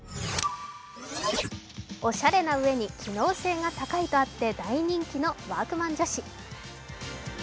おしゃれなうえに機能性が高いとあって大人気の＃ワークマン女子。